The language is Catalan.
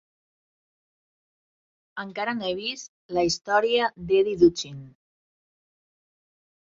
Encara no he vist "La història d'Eddy Duchin"!